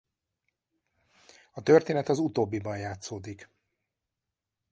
A történet az utóbbiban játszódik.